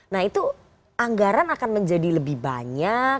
nah itu anggaran akan menjadi lebih banyak